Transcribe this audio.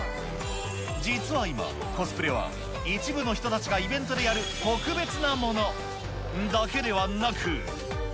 実は今、コスプレは一部の人たちがイベントでやる特別なものだけではなく。